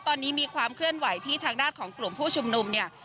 ตอนนี้มีความเคลื่อนไหวที่ทางด้านของกลุ่มผู้ชุมนุมเนี่ย